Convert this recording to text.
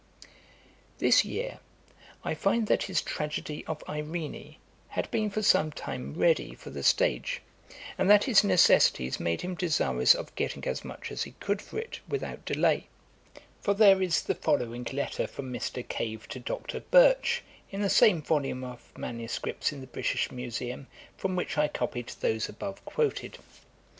This year I find that his tragedy of Irene had been for some time ready for the stage, and that his necessities made him desirous of getting as much as he could for it, without delay; for there is the following letter from Mr. Cave to Dr. Birch, in the same volume of manuscripts in the British Museum, from which I copied those above quoted.